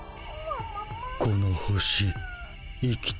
この星生きてる。